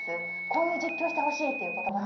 こういう実況してほしいっていう言葉は。